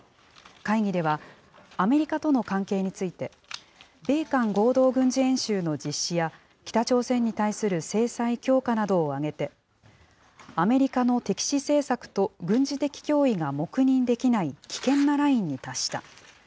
会議では、アメリカとの関係について、米韓合同軍事演習の実施や、北朝鮮に対する制裁強化などを挙げて、アメリカの敵視政策と軍事的脅威が黙認できない危険なラインに達した。